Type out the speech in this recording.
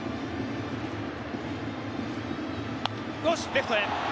レフトへ。